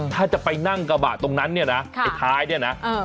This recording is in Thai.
ถ้าจะไปนั่งกระบะตรงนั้นเนี่ยนะไอ้ท้ายเนี่ยนะ